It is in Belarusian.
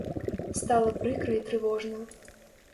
Стала прыкра і трывожна.